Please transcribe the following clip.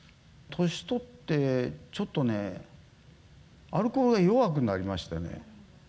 年取ってちょっとね、アルコールが弱くなりましたよね。